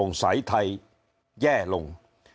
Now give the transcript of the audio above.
โปร่งใสไทยแย่ลง